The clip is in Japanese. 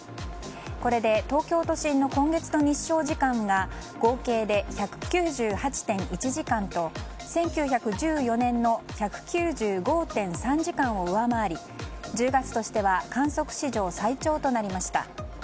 これで、東京都心の今月の日照時間が合計で１９８．１時間と１９１４年の１９５．３時間を上回り１０月としては観測史上最長となりました。